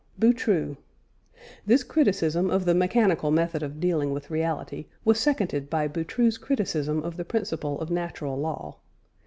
BOUTROUX. This criticism of the mechanical method of dealing with reality was seconded by Boutroux's criticism of the principle of Natural Law.